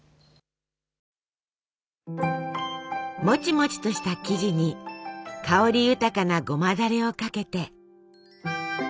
モチモチとした生地に香り豊かなごまだれをかけて。